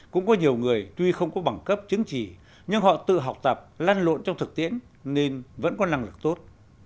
cũng có nhiều người tuy không có bằng cấp chứng chỉ nhưng họ tự học tập lan lộn trong thực tiễn nên vẫn có năng lực tốt